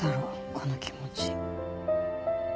この気持ち。